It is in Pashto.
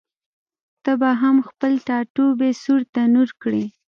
ته به هم خپل ټاټوبی سور تنور کړې؟